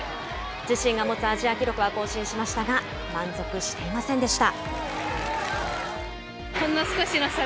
自身が持つアジア記録は更新しましたが、満足していませんでした。